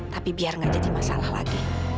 tapi biar nggak jadi masalah lagi